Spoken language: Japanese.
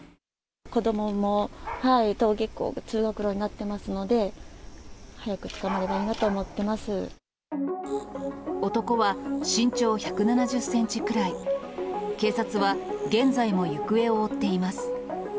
子どもも登下校、通学路になってますので、男は身長１７０センチくらい、警察は現在も行方を追っています。